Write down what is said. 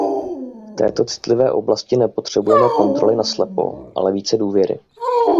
V této citlivé oblasti nepotřebujeme kontroly naslepo, ale více důvěry.